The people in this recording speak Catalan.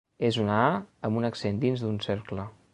És una ‘a’ amb un accent dins d’un cercle.